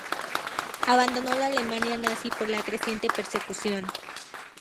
Abandonó la Alemania nazi por la creciente persecución.